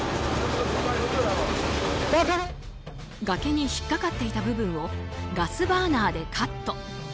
崖に引っ掛かっていた部分をガスバーナーでカット。